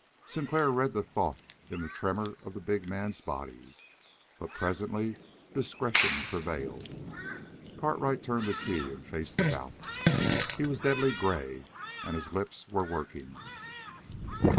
Sinclair read that thought in the tremor of the big man's body. But presently discretion prevailed. Cartwright turned the key and faced about. He was a deadly gray, and his lips were working.